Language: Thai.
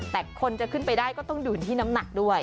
แต่คนจะขึ้นไปได้ก็ต้องอยู่ที่น้ำหนักด้วย